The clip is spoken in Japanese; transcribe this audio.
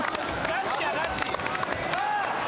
ガチやガチ。